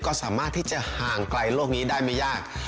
ก็สามารถที่จะห่างไกลโลกนี้ได้ไม่ยาก